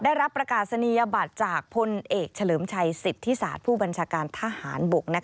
ได้รับประกาศนียบัตรจากพลเอกเฉลิมชัยสิทธิศาสตร์ผู้บัญชาการทหารบก